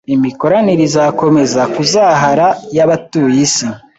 imikoranire izakomeza kuzahara yabatuye isi